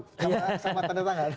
sama tanda tangan